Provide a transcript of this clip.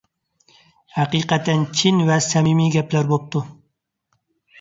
ھەقىقەتەن چىن ۋە سەمىمىي گەپلەر بوپتۇ.